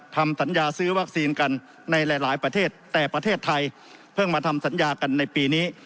ทำสัญญาซื้อวัคซีนกันในหลายประเทศแต่ประเทศไทยเพิ่งมาทำสัญญากันในปีนี้